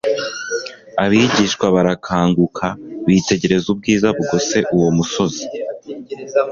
Abigishwa barakanguka, bitegereza ubwiza bugose uwo musozi.